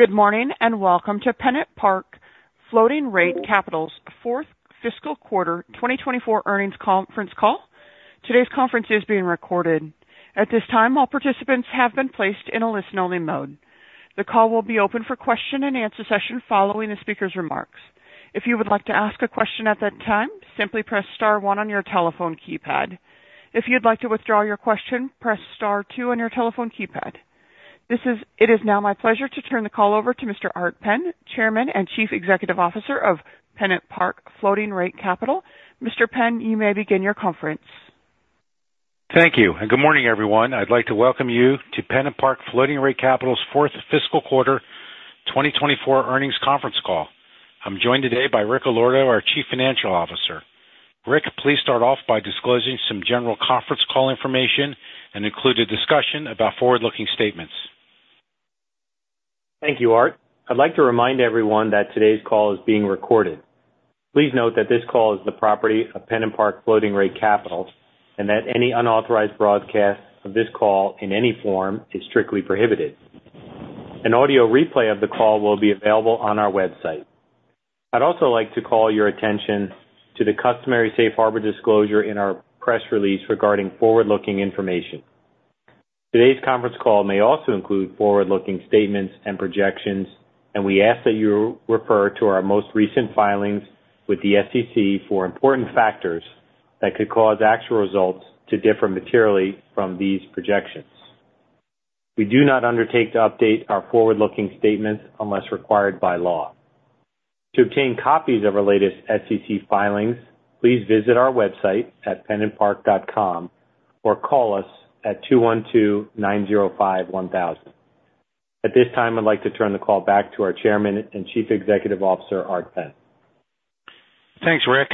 Good morning and welcome to PennantPark Floating Rate Capital's fourth fiscal quarter 2024 earnings conference call. Today's conference is being recorded. At this time, all participants have been placed in a listen-only mode. The call will be open for question and answer session following the speaker's remarks. If you would like to ask a question at that time, simply press star one on your telephone keypad. If you'd like to withdraw your question, press star two on your telephone keypad. It is now my pleasure to turn the call over to Mr. Art Penn, Chairman and Chief Executive Officer of PennantPark Floating Rate Capital. Mr. Penn, you may begin your conference. Thank you. And good morning, everyone. I'd like to welcome you to PennantPark Floating Rate Capital's fourth fiscal quarter 2024 earnings conference call. I'm joined today by Rick Allorto, our Chief Financial Officer. Rick, please start off by disclosing some general conference call information and include a discussion about forward-looking statements. Thank you, Art. I'd like to remind everyone that today's call is being recorded. Please note that this call is the property of PennantPark Floating Rate Capital and that any unauthorized broadcast of this call in any form is strictly prohibited. An audio replay of the call will be available on our website. I'd also like to call your attention to the customary safe harbor disclosure in our press release regarding forward-looking information. Today's conference call may also include forward-looking statements and projections, and we ask that you refer to our most recent filings with the SEC for important factors that could cause actual results to differ materially from these projections. We do not undertake to update our forward-looking statements unless required by law. To obtain copies of our latest SEC filings, please visit our website at pennantpark.com or call us at 212-905-1000. At this time, I'd like to turn the call back to our Chairman and Chief Executive Officer, Art Penn. Thanks, Rick.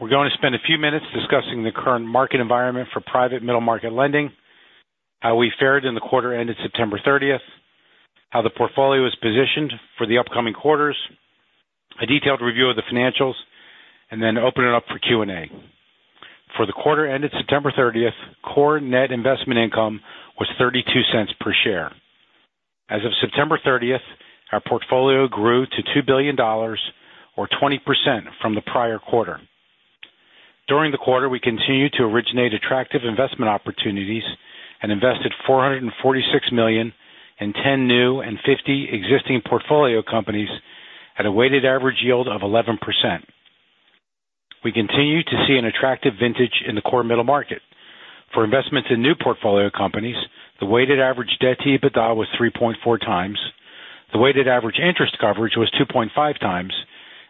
We're going to spend a few minutes discussing the current market environment for private middle market lending, how we fared in the quarter ended September 30th, how the portfolio is positioned for the upcoming quarters, a detailed review of the financials, and then open it up for Q&A. For the quarter ended September 30th, core net investment income was $0.32 per share. As of September 30th, our portfolio grew to $2 billion, or 20% from the prior quarter. During the quarter, we continued to originate attractive investment opportunities and invested $446 million in 10 new and 50 existing portfolio companies at a weighted average yield of 11%. We continue to see an attractive vintage in the core middle market. For investments in new portfolio companies, the weighted average debt-to-EBITDA was 3.4x, the weighted average interest coverage was 2.5x,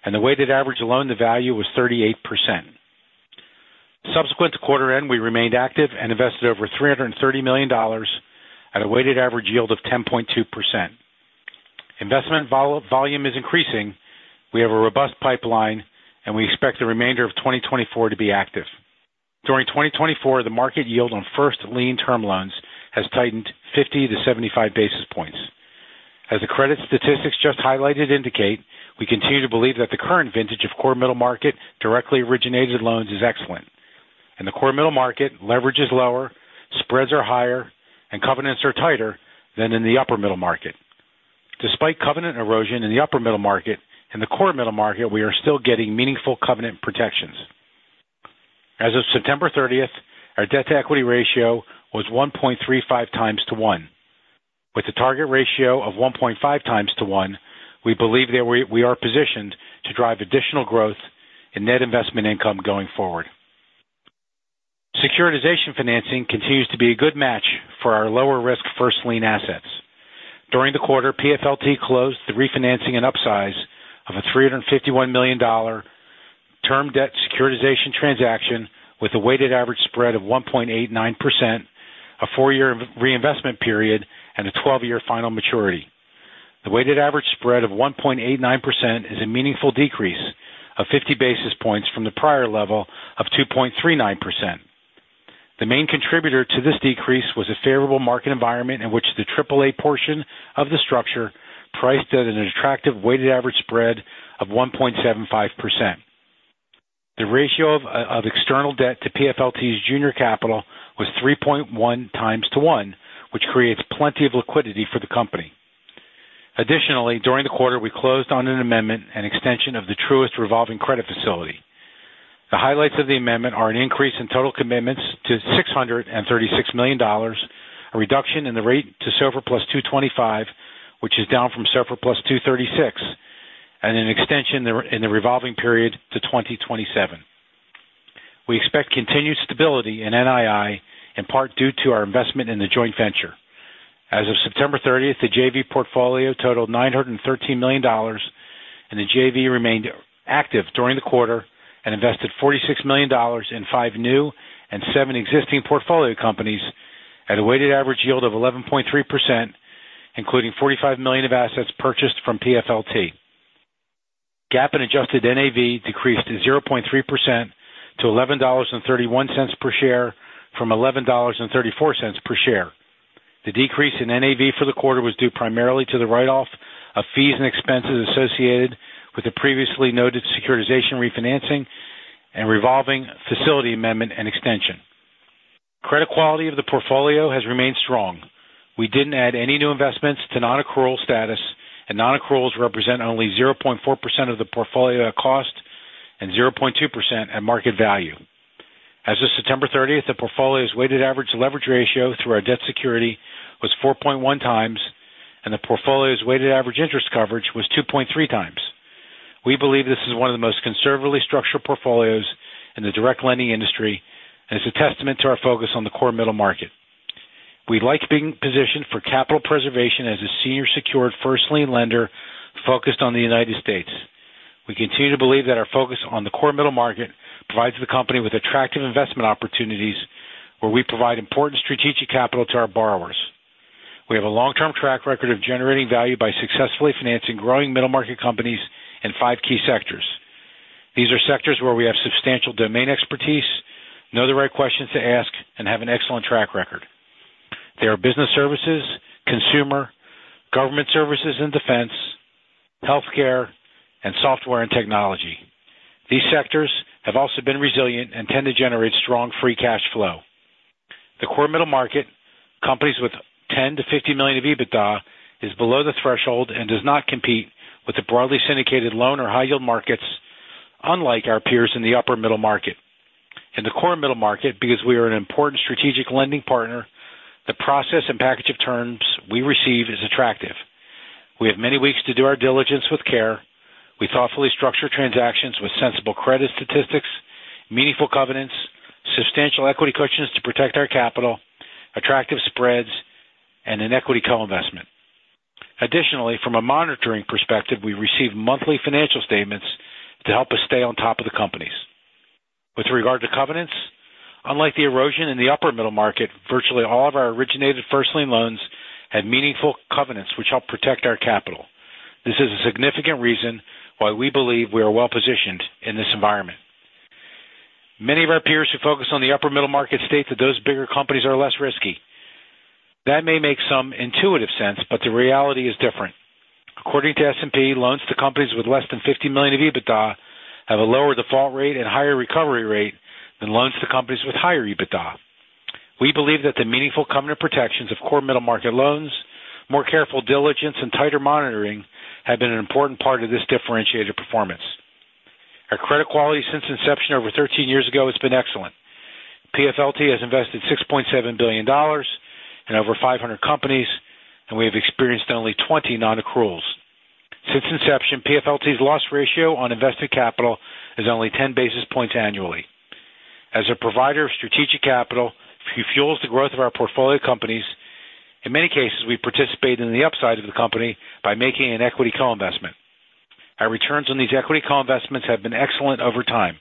and the weighted average loan-to-value was 38%. Subsequent to quarter end, we remained active and invested over $330 million at a weighted average yield of 10.2%. Investment volume is increasing. We have a robust pipeline, and we expect the remainder of 2024 to be active. During 2024, the market yield on first lien term loans has tightened 50 to 75 basis points. As the credit statistics just highlighted indicate, we continue to believe that the current vintage of core middle market directly originated loans is excellent, and the core middle market leverage is lower, spreads are higher, and covenants are tighter than in the upper middle market. Despite covenant erosion in the upper middle market and the core middle market, we are still getting meaningful covenant protections. As of September 30th, our debt-to-equity ratio was 1.35x to one. With a target ratio of 1.5x to one, we believe that we are positioned to drive additional growth in net investment income going forward. Securitization financing continues to be a good match for our lower-risk first lien assets. During the quarter, PFLT closed the refinancing and upsize of a $351 million term debt securitization transaction with a weighted average spread of 1.89%, a four-year reinvestment period, and a 12-year final maturity. The weighted average spread of 1.89% is a meaningful decrease of 50 basis points from the prior level of 2.39%. The main contributor to this decrease was a favorable market environment in which the AAA portion of the structure priced at an attractive weighted average spread of 1.75%. The ratio of external debt to PFLT's junior capital was 3.1 times to 1, which creates plenty of liquidity for the company. Additionally, during the quarter, we closed on an amendment and extension of the Truist revolving credit facility. The highlights of the amendment are an increase in total commitments to $636 million, a reduction in the rate to SOFR Plus 225, which is down from SOFR Plus 236, and an extension in the revolving period to 2027. We expect continued stability in NII, in part due to our investment in the joint venture. As of September 30th, the JV portfolio totaled $913 million, and the JV remained active during the quarter and invested $46 million in five new and seven existing portfolio companies at a weighted average yield of 11.3%, including $45 million of assets purchased from PFLT. GAAP and adjusted NAV decreased 0.3% to $11.31 per share from $11.34 per share. The decrease in NAV for the quarter was due primarily to the write-off of fees and expenses associated with the previously noted securitization refinancing and revolving facility amendment and extension. Credit quality of the portfolio has remained strong. We didn't add any new investments to non-accrual status, and non-accruals represent only 0.4% of the portfolio at cost and 0.2% at market value. As of September 30th, the portfolio's weighted average leverage ratio through our debt security was 4.1x, and the portfolio's weighted average interest coverage was 2.3x. We believe this is one of the most conservatively structured portfolios in the direct lending industry and is a testament to our focus on the core middle market. We like being positioned for capital preservation as a senior secured first lien lender focused on the United States. We continue to believe that our focus on the core middle market provides the company with attractive investment opportunities where we provide important strategic capital to our borrowers. We have a long-term track record of generating value by successfully financing growing middle market companies in five key sectors. These are sectors where we have substantial domain expertise, know the right questions to ask, and have an excellent track record. They are business services, consumer, government services and defense, healthcare, and software and technology. These sectors have also been resilient and tend to generate strong free cash flow. The core middle market, companies with 10 to 50 million of EBITDA, is below the threshold and does not compete with the broadly syndicated loan or high-yield markets, unlike our peers in the upper middle market. In the core middle market, because we are an important strategic lending partner, the process and package of terms we receive is attractive. We have many weeks to do our diligence with care. We thoughtfully structure transactions with sensible credit statistics, meaningful covenants, substantial equity cushions to protect our capital, attractive spreads, and an equity co-investment. Additionally, from a monitoring perspective, we receive monthly financial statements to help us stay on top of the companies. With regard to covenants, unlike the erosion in the upper middle market, virtually all of our originated first lien loans had meaningful covenants which help protect our capital. This is a significant reason why we believe we are well-positioned in this environment. Many of our peers who focus on the upper middle market state that those bigger companies are less risky. That may make some intuitive sense, but the reality is different. According to S&P, loans to companies with less than 50 million of EBITDA have a lower default rate and higher recovery rate than loans to companies with higher EBITDA. We believe that the meaningful covenant protections of core middle market loans, more careful diligence, and tighter monitoring have been an important part of this differentiated performance. Our credit quality since inception over 13 years ago has been excellent. PFLT has invested $6.7 billion in over 500 companies, and we have experienced only 20 non-accruals. Since inception, PFLT's loss ratio on invested capital is only 10 basis points annually. As a provider of strategic capital, it fuels the growth of our portfolio companies. In many cases, we participate in the upside of the company by making an equity co-investment. Our returns on these equity co-investments have been excellent over time.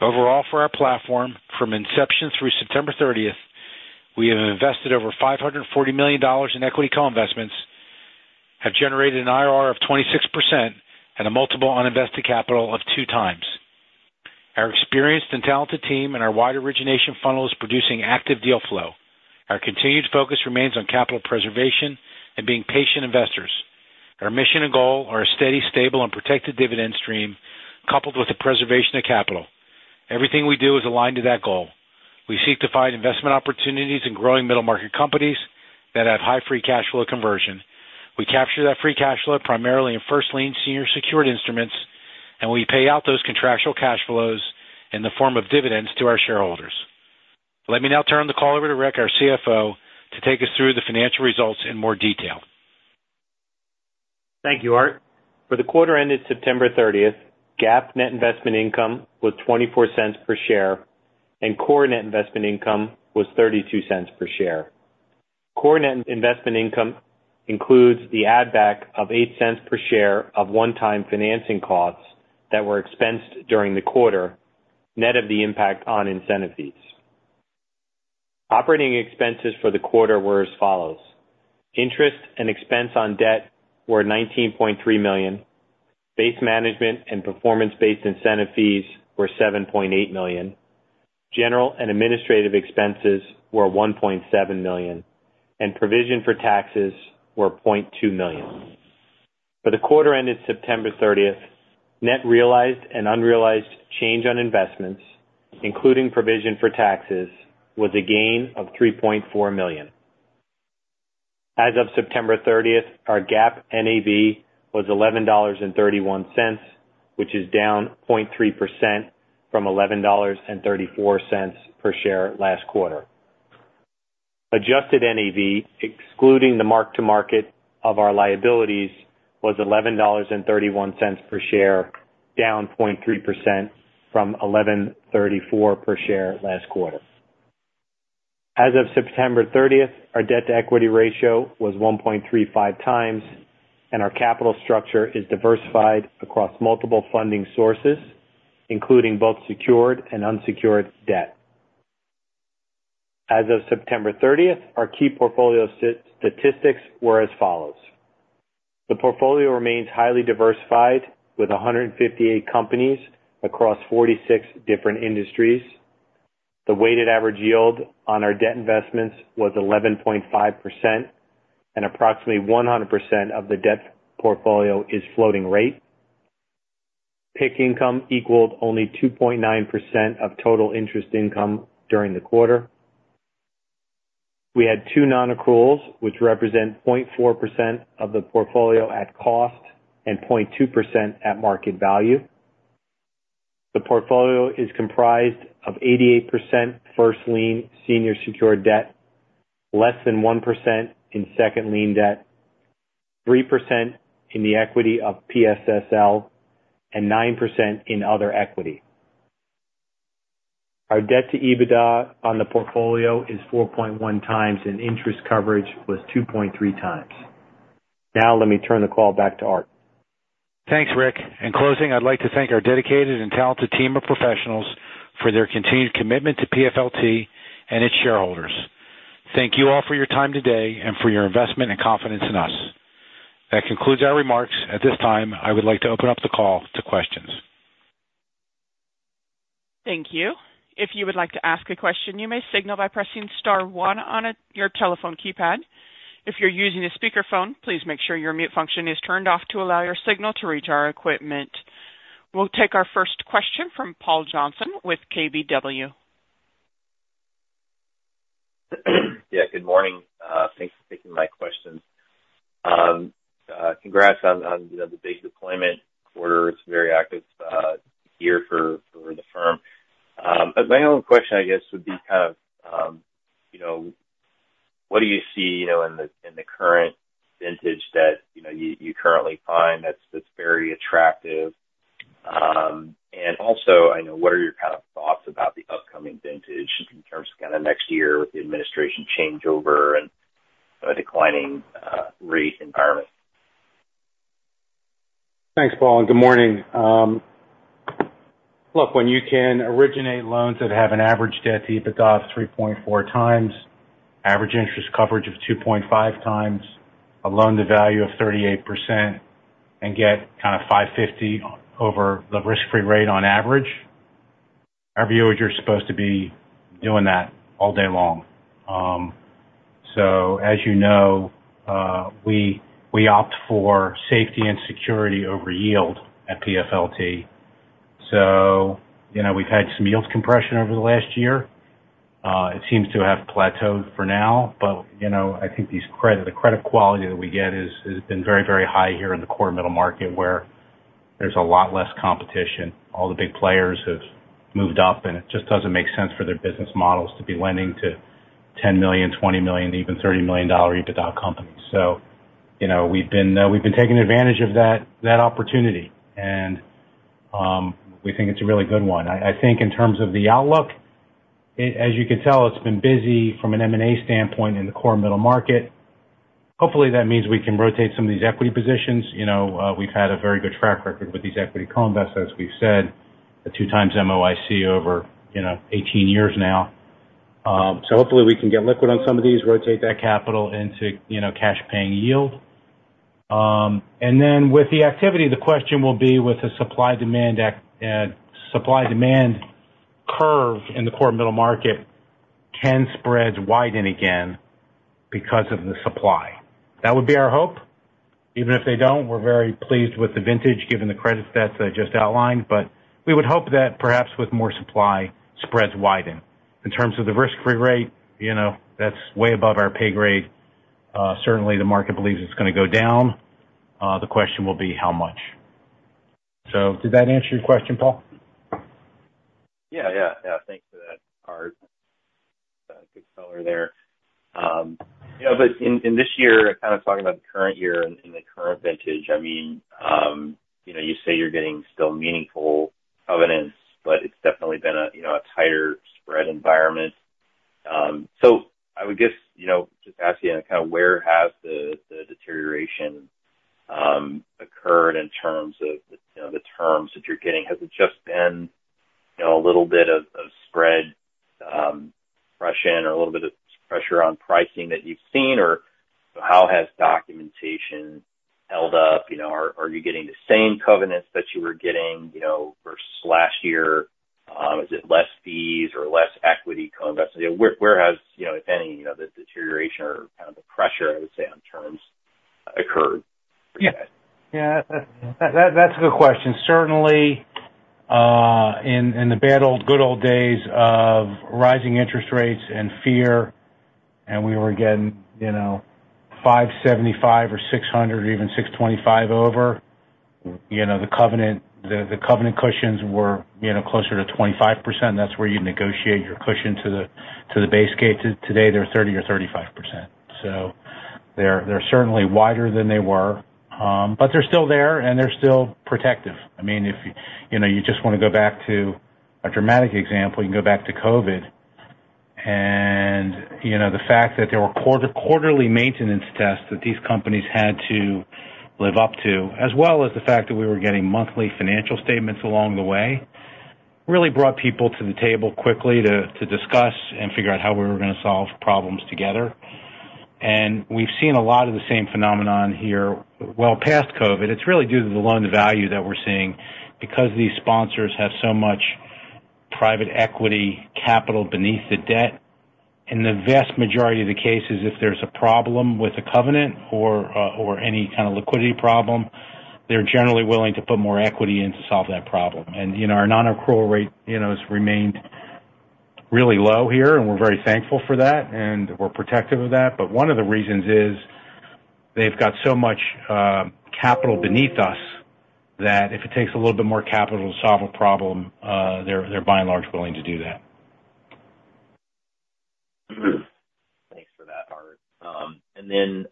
Overall, for our platform, from inception through September 30th, we have invested over $540 million in equity co-investments, have generated an IRR of 26%, and a multiple on invested capital of two times. Our experienced and talented team and our wide origination funnel is producing active deal flow. Our continued focus remains on capital preservation and being patient investors. Our mission and goal are a steady, stable, and protected dividend stream coupled with the preservation of capital. Everything we do is aligned to that goal. We seek to find investment opportunities in growing middle market companies that have high free cash flow conversion. We capture that free cash flow primarily in first lien senior secured instruments, and we pay out those contractual cash flows in the form of dividends to our shareholders. Let me now turn the call over to Rick, our CFO, to take us through the financial results in more detail. Thank you, Art. For the quarter ended September 30th, GAAP net investment income was $0.24 per share, and core net investment income was $0.32 per share. Core net investment income includes the add-back of $0.08 per share of one-time financing costs that were expensed during the quarter, net of the impact on incentive fees. Operating expenses for the quarter were as follows. Interest expense on debt were $19.3 million. Base management and performance-based incentive fees were $7.8 million. General and administrative expenses were $1.7 million, and provision for taxes were $0.2 million. For the quarter ended September 30th, net realized and unrealized change on investments, including provision for taxes, was a gain of $3.4 million. As of September 30th, our GAAP NAV was $11.31, which is down 0.3% from $11.34 per share last quarter. Adjusted NAV, excluding the mark-to-market of our liabilities, was $11.31 per share, down 0.3% from $11.34 per share last quarter. As of September 30th, our debt-to-equity ratio was 1.35x, and our capital structure is diversified across multiple funding sources, including both secured and unsecured debt. As of September 30th, our key portfolio statistics were as follows. The portfolio remains highly diversified with 158 companies across 46 different industries. The weighted average yield on our debt investments was 11.5%, and approximately 100% of the debt portfolio is floating rate. PIK income equaled only 2.9% of total interest income during the quarter. We had two non-accruals, which represent 0.4% of the portfolio at cost and 0.2% at market value. The portfolio is comprised of 88% first lien senior secured debt, less than 1% in second lien debt, 3% in the equity of PSSL, and 9% in other equity. Our debt-to-EBITDA on the portfolio is 4.1x, and interest coverage was 2.3x. Now, let me turn the call back to Art. Thanks, Rick. In closing, I'd like to thank our dedicated and talented team of professionals for their continued commitment to PFLT and its shareholders. Thank you all for your time today and for your investment and confidence in us. That concludes our remarks. At this time, I would like to open up the call to questions. Thank you. If you would like to ask a question, you may signal by pressing star one on your telephone keypad. If you're using a speakerphone, please make sure your mute function is turned off to allow your signal to reach our equipment. We'll take our first question from Paul Johnson with KBW. Yeah, good morning. Thanks for taking my questions. Congrats on the big deployment quarter. It's a very active year for the firm. My own question, I guess, would be kind of what do you see in the current vintage that you currently find that's very attractive? And also, what are your kind of thoughts about the upcoming vintage in terms of kind of next year with the administration changeover and a declining rate environment? Thanks, Paul. And good morning. Look, when you can originate loans that have an average debt to EBITDA of 3.4x, average interest coverage of 2.5x, a loan to value of 38%, and get kind of 550 over the risk-free rate on average, our view is you're supposed to be doing that all day long. So, as you know, we opt for safety and security over yield at PFLT. So we've had some yield compression over the last year. It seems to have plateaued for now, but I think the credit quality that we get has been very, very high here in the core middle market where there's a lot less competition. All the big players have moved up, and it just doesn't make sense for their business models to be lending to $10 million, $20 million, even $30 million EBITDA companies. So we've been taking advantage of that opportunity, and we think it's a really good one. I think in terms of the outlook, as you can tell, it's been busy from an M&A standpoint in the core middle market. Hopefully, that means we can rotate some of these equity positions. We've had a very good track record with these equity co-investors, as we've said, a two-times MOIC over 18 years now. So hopefully, we can get liquid on some of these, rotate that capital into cash-paying yield. And then with the activity, the question will be with the supply-demand curve in the core middle market, can spreads widen again because of the supply? That would be our hope. Even if they don't, we're very pleased with the vintage given the credit stats that I just outlined, but we would hope that perhaps with more supply, spreads widen. In terms of the risk-free rate, that's way above our pay grade. Certainly, the market believes it's going to go down. The question will be how much. So did that answer your question, Paul? Yeah, yeah, yeah. Thanks for that, Art. Good color there. Yeah, but in this year, kind of talking about the current year and the current vintage, I mean, you say you're getting still meaningful covenants, but it's definitely been a tighter spread environment. So I would guess just asking kind of where has the deterioration occurred in terms of the terms that you're getting? Has it just been a little bit of spread pressure or a little bit of pressure on pricing that you've seen, or how has documentation held up? Are you getting the same covenants that you were getting versus last year? Is it less fees or less equity co-investors? Where has, if any, the deterioration or kind of the pressure, I would say, on terms occurred for you guys? Yeah, that's a good question. Certainly, in the good old days of rising interest rates and fear, and we were getting $575 or $600 or even $625 over, the covenant cushions were closer to 25%. That's where you negotiate your cushion to the base rate. Today, they're 30 or 35%. So they're certainly wider than they were, but they're still there, and they're still protective. I mean, if you just want to go back to a dramatic example, you can go back to COVID, and the fact that there were quarterly maintenance tests that these companies had to live up to, as well as the fact that we were getting monthly financial statements along the way, really brought people to the table quickly to discuss and figure out how we were going to solve problems together, and we've seen a lot of the same phenomenon here well past COVID. It's really due to the loan to value that we're seeing because these sponsors have so much private equity capital beneath the debt. In the vast majority of the cases, if there's a problem with a covenant or any kind of liquidity problem, they're generally willing to put more equity in to solve that problem. And our non-accrual rate has remained really low here, and we're very thankful for that, and we're protective of that. But one of the reasons is they've got so much capital beneath us that if it takes a little bit more capital to solve a problem, they're by and large willing to do that. Thanks for that, Art. And then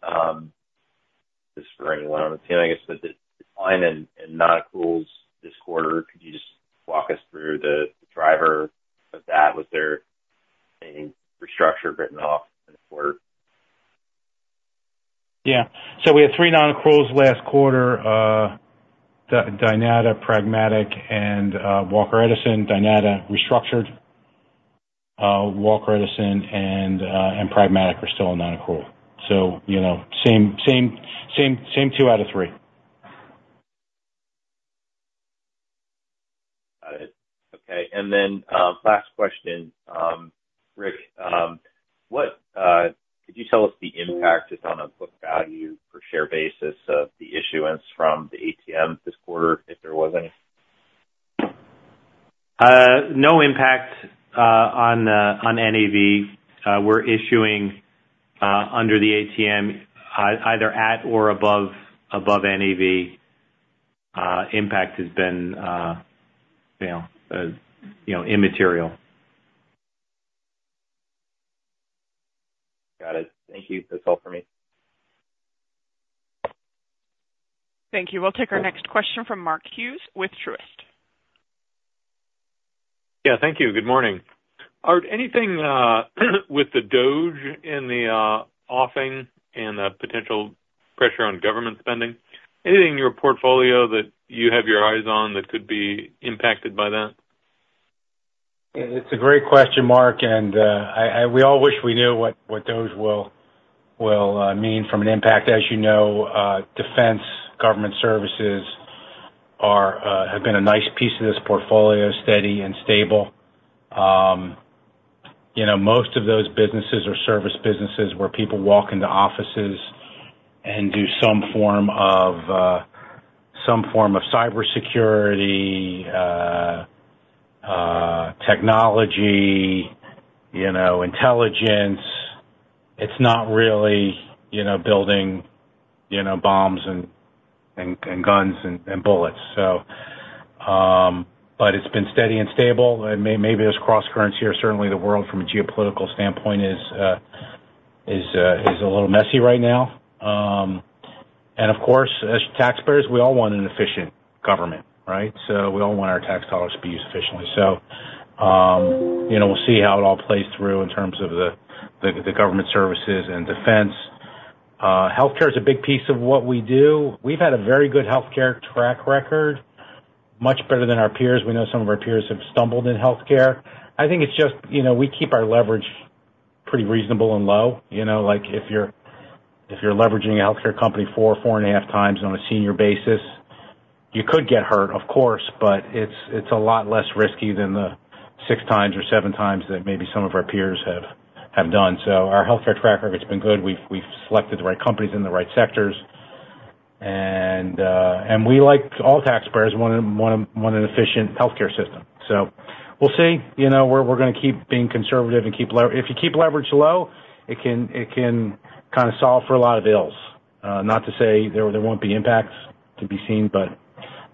just for anyone on the team, I guess the decline in non-accruals this quarter, could you just walk us through the driver of that? Was there any restructure written off in the quarter? Yeah. So we had three non-accruals last quarter: Dynata, Pragmatic, and Walker Edison. Dynata restructured. Walker Edison and Pragmatic are still a non-accrual. So same two out of three. Got it. Okay. And then last question, Rick, could you tell us the impact just on a book value per share basis of the issuance from the ATM this quarter, if there was any? No impact on NAV. We're issuing under the ATM either at or above NAV. Impact has been immaterial. Got it. Thank you. That's all for me. Thank you. We'll take our next question from Mark Hughes with Truist. Yeah, thank you. Good morning. Art, anything with the DOGE in the offing and the potential pressure on government spending? Anything in your portfolio that you have your eyes on that could be impacted by that? It's a great question, Mark, and we all wish we knew what DOGE will mean from an impact. As you know, defense, government services have been a nice piece of this portfolio, steady and stable. Most of those businesses are service businesses where people walk into offices and do some form of cybersecurity, technology, intelligence. It's not really building bombs and guns and bullets, so but it's been steady and stable. Maybe there's cross currents here. Certainly, the world from a geopolitical standpoint is a little messy right now, and of course, as taxpayers, we all want an efficient government, right? So we all want our tax dollars to be used efficiently, so we'll see how it all plays through in terms of the government services and defense. Healthcare is a big piece of what we do. We've had a very good healthcare track record, much better than our peers. We know some of our peers have stumbled in healthcare. I think it's just we keep our leverage pretty reasonable and low. If you're leveraging a healthcare company four or four and a half times on a senior basis, you could get hurt, of course, but it's a lot less risky than the six times or seven times that maybe some of our peers have done. So our healthcare track record's been good. We've selected the right companies in the right sectors. And we like all taxpayers, want an efficient healthcare system. So we'll see. We're going to keep being conservative and keep leverage. If you keep leverage low, it can kind of solve for a lot of ills. Not to say there won't be impacts to be seen, but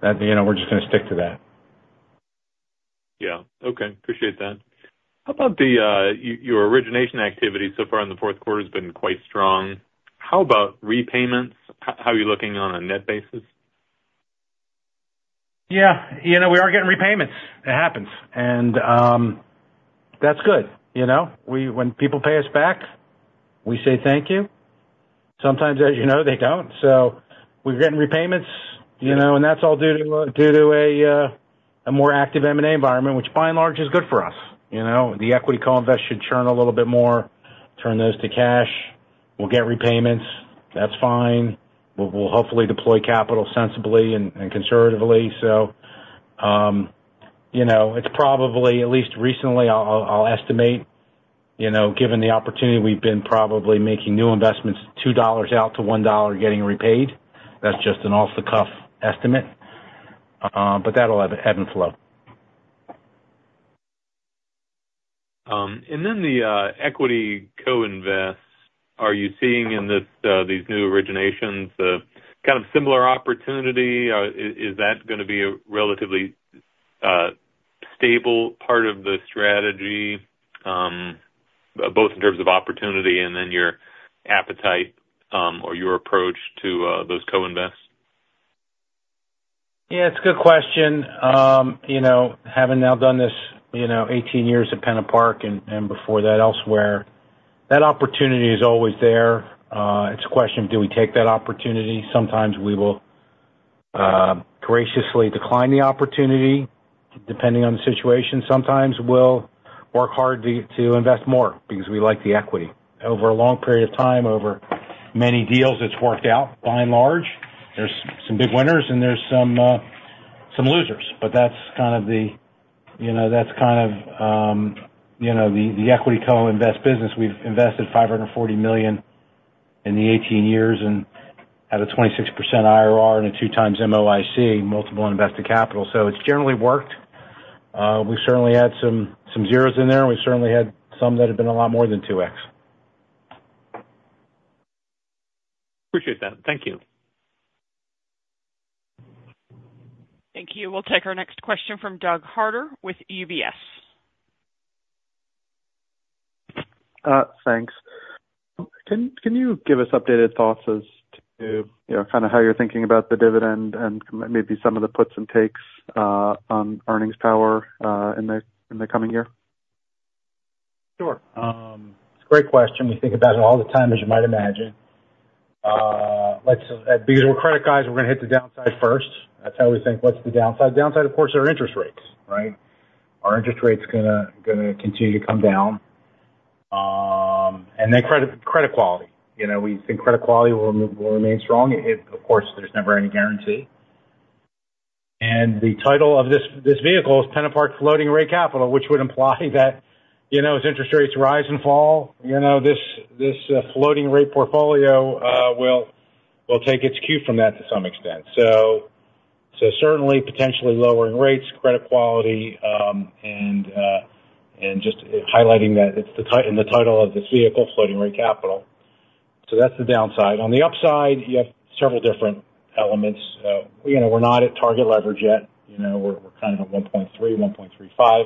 we're just going to stick to that. Yeah. Okay. Appreciate that. How about your origination activity so far in the fourth quarter? It's been quite strong. How about repayments? How are you looking on a net basis? Yeah. We are getting repayments. It happens. That's good. When people pay us back, we say thank you. Sometimes, as you know, they don't. We're getting repayments, and that's all due to a more active M&A environment, which by and large is good for us. The equity co-invest should churn a little bit more, turn those to cash. We'll get repayments. That's fine. We'll hopefully deploy capital sensibly and conservatively. It's probably, at least recently, I'll estimate, given the opportunity, we've been probably making new investments, $2 out to $1 getting repaid. That's just an off-the-cuff estimate, but that'll ebb and flow. Then the equity co-invests, are you seeing in these new originations kind of similar opportunity? Is that going to be a relatively stable part of the strategy, both in terms of opportunity and then your appetite or your approach to those co-invests? Yeah, it's a good question. Having now done this 18 years at PennantPark and before that elsewhere, that opportunity is always there. It's a question of do we take that opportunity. Sometimes we will graciously decline the opportunity depending on the situation. Sometimes we'll work hard to invest more because we like the equity. Over a long period of time, over many deals, it's worked out by and large. There's some big winners, and there's some losers, but that's kind of the equity co-invest business. We've invested $540 million in the 18 years and had a 26% IRR and a two-times MOIC, multiple invested capital. So it's generally worked. We've certainly had some zeros in there, and we've certainly had some that have been a lot more than 2x. Appreciate that. Thank you. Thank you. We'll take our next question from Doug Harter with UBS. Thanks. Can you give us updated thoughts as to kind of how you're thinking about the dividend and maybe some of the puts and takes on earnings power in the coming year? Sure. It's a great question. We think about it all the time, as you might imagine. Because we're credit guys, we're going to hit the downside first. That's how we think. What's the downside? Downside, of course, are interest rates, right? Are interest rates going to continue to come down? And then credit quality. We think credit quality will remain strong. Of course, there's never any guarantee. And the title of this vehicle is PennantPark Floating Rate Capital, which would imply that as interest rates rise and fall, this floating rate portfolio will take its cue from that to some extent. So certainly, potentially lowering rates, credit quality, and just highlighting that in the title of this vehicle, Floating Rate Capital. So that's the downside. On the upside, you have several different elements. We're not at target leverage yet. We're kind of at 1.3, 1.35.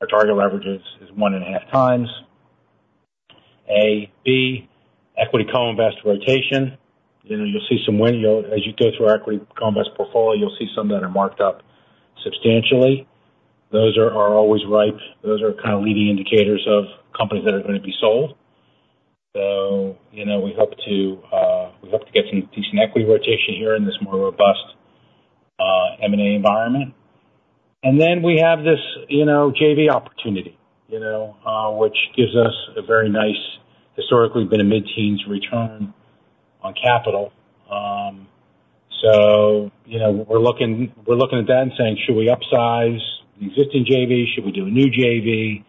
Our target leverage is one and a half times. A, B: equity co-invest rotation. You'll see some as you go through our equity co-invest portfolio; you'll see some that are marked up substantially. Those are always ripe. Those are kind of leading indicators of companies that are going to be sold. So we hope to get some decent equity rotation here in this more robust M&A environment. And then we have this JV opportunity, which gives us a very nice, historically been a mid-teens return on capital. So we're looking at that and saying, "Should we upsize the existing JV? Should we do a new JV?"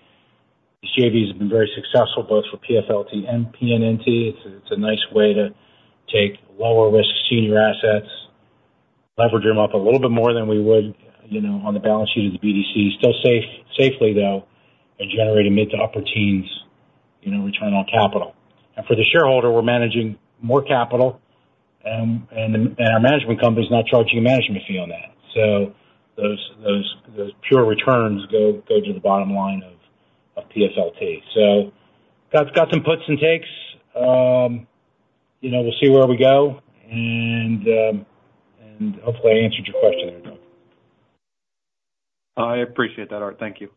These JVs have been very successful both for PFLT and PNNT. It's a nice way to take lower-risk senior assets, leverage them up a little bit more than we would on the balance sheet of the BDC, still safely though, and generate a mid to upper-teens return on capital. And for the shareholder, we're managing more capital, and our management company is not charging a management fee on that. So those pure returns go to the bottom line of PFLT. So I've got some puts and takes. We'll see where we go. And hopefully, I answered your question there, Doug. I appreciate that, Art. Thank you.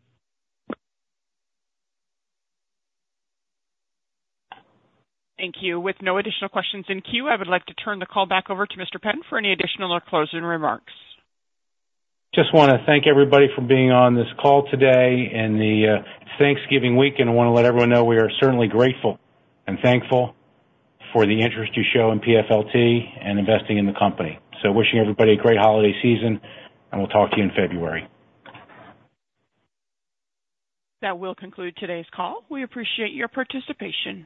Thank you. With no additional questions in queue, I would like to turn the call back over to Mr. Penn for any additional or closing remarks. Just want to thank everybody for being on this call today in the Thanksgiving week, and I want to let everyone know we are certainly grateful and thankful for the interest you show in PFLT and investing in the company, so wishing everybody a great holiday season, and we'll talk to you in February. That will conclude today's call. We appreciate your participation.